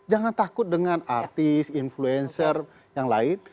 jangan takut dengan artis influencer yang lain